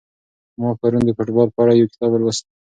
ما پرون د فوټبال په اړه یو کتاب ولوست.